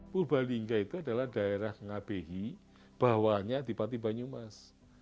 purbalingga itu adalah daerah ngabeyi bawahnya di banyumas